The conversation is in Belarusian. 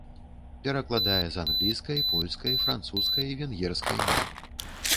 Перакладае з англійскай, польскай, французскай, венгерскай моў.